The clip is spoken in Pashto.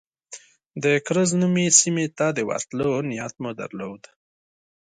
د کرز نومي سیمې ته د ورتلو نیت مو درلود.